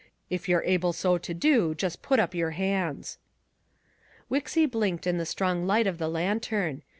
If you're able so to do, just put up your hands." Wixy blinked in the strong light of the lantern.